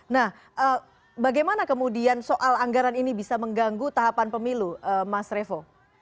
nah bagaimana kemudian soal anggaran ini bisa mengganggu tahapan pemilu mas revo